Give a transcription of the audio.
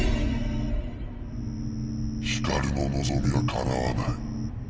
ヒカルの望みはかなわない。